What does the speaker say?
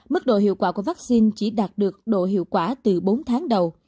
mức độ hiệu quả của vaccine chỉ đạt được độ hiệu quả từ bốn tháng đầu